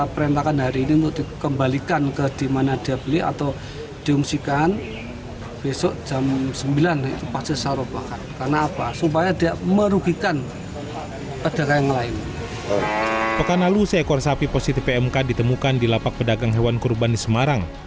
pekan lalu seekor sapi positif pmk ditemukan di lapak pedagang hewan kurban di semarang